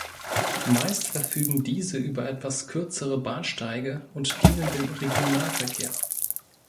Meist verfügen diese über etwas kürzere Bahnsteige und dienen dem Regionalverkehr.